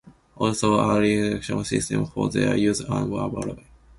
Also a rejection system for their use was approved.